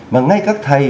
mà ngay các thầy